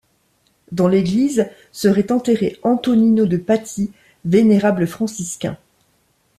Dans l'église serait enterré Antonino da Patti, vénérable franciscain..